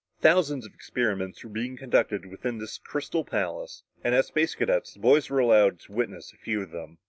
Thousands of experiments were being conducted within this crystal palace, and as Space Cadets, the boys were allowed to witness a few of them.